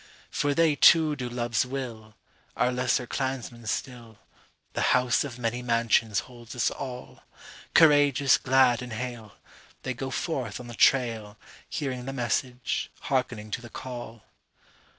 For they, too, do love's will, Our lesser clansmen still; The House of Many Mansions holds us all; Courageous, glad and hale, They go forth on the trail, Hearing the message, hearkening to the call.